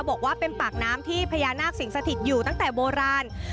บอกว่าเป็นปากน้ำที่พญานาคสิงสถิตอยู่ตั้งแต่โบราณ